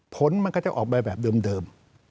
ผลมันก็จะออกไปแบบเดิม